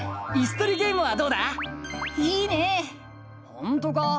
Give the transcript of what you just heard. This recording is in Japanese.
ほんとか？